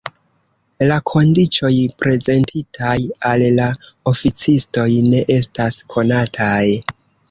La kondiĉoj prezentitaj al la oficistoj ne estas konataj.